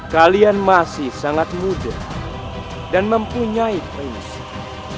kalian masih sangat muda dan mempunyai prinsip